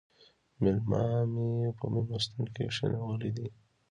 مېلما مې په مېلمستون کې کښېناولی دی